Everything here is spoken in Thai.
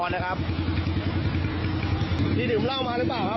มีดื่มเหล้ามาหรือเปล่าครับ